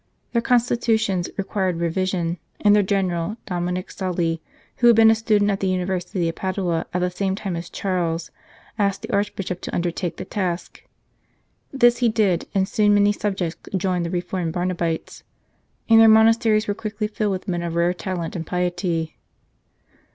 Their constitutions required revision, and their General, Dominic Sauli, who had been a student at the University of Padua at the same time as Charles, asked the Archbishop to under take the task. This he did, and soon many subjects joined the reformed Barnabites, and their monasteries were quickly filled with men of rare talent and piety.